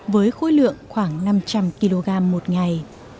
với khối lượng khoảng năm trăm linh kg một ngày